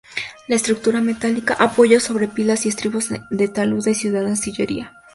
La estructura metálica apoya sobre pilas y estribos en talud de cuidada sillería.